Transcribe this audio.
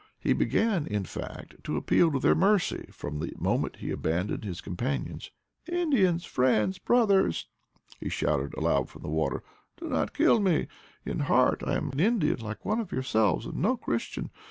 He began, in fact, to appeal to their mercy from the moment he abandoned his com panions. "Indians! friends! brothers !" he shouted aloud from the water. "Do not kill me: in heart I am an Indian like one of yourselves, and no Christian.